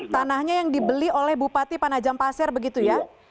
tanahnya yang dibeli oleh bupati panajam pasir begitu ya